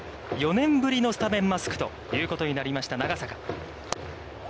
４年ぶりのスタメンマスクということになりました長坂。